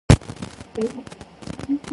The role eventually went to Michael Wong.